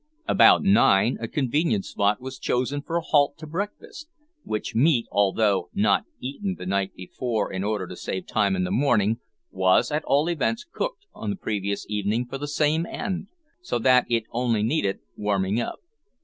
About nine, a convenient spot was chosen for a halt to breakfast, which meat, although not "eaten the night before in order to save time in the morning," was at all events cooked on the previous evening for the same end, so that it only needed warming up.